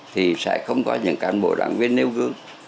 thì sẽ không có những cán bộ đảng viên nêu gương